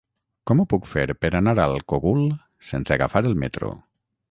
Com ho puc fer per anar al Cogul sense agafar el metro?